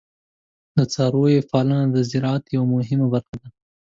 د څارویو پالنه د زراعت یوه مهمه برخه ده.